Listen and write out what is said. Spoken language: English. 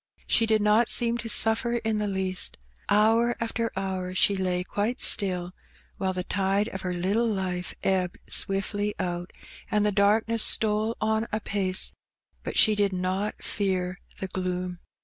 She did not seem to suflFer in the least. Hour after hour she lay quite still, while the tide of her little life ebbed swiftly out, and the darkness stole on apace; but she did not fear the gloom.